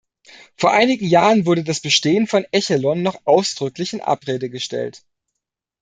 Vor einigen Jahren wurde das Bestehen von Echelon noch ausdrücklich in Abrede gestellt.